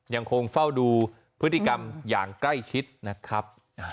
ยังคงเฝ้าดูพฤติกรรมอย่างใกล้ชิดนะครับ